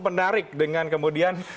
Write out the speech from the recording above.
menarik dengan kemudian